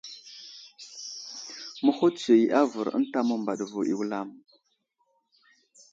Məhutsiyo i avər ənta məmbaɗ vo i wulam.